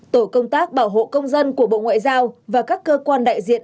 tổ công tác bảo hộ công dân của bộ ngoại giao và các cơ quan đại diện